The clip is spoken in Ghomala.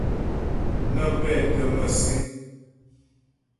Nə́ pɛ́tə́ mə̂síŋ.